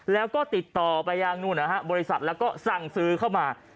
แล้วก็ติดต่อไปยังนู่นนะฮะบริษัทแล้วก็สั่งซื้อเข้ามา